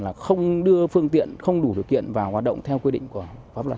là không đưa phương tiện không đủ điều kiện vào hoạt động theo quy định của pháp luật